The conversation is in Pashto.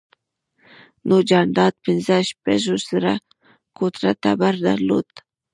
نوح جاندار پنځه شپږ زره کوره ټبر درلود.